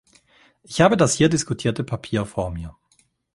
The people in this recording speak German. Ich habe das hier diskutierte Papier vor mir.